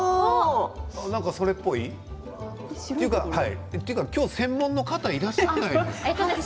なんか、それっぽい？というか今日、専門の方いらっしゃらないんですか？